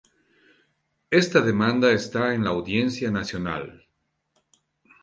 Esta demanda está en la Audiencia Nacional.